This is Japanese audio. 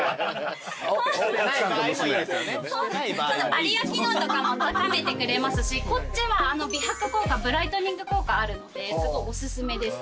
バリアー機能とかも高めてくれますしこっちは美白効果ブライトニング効果あるのですごいおすすめです。